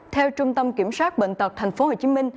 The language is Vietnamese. theo trung tâm kiểm soát bệnh tật tp hcm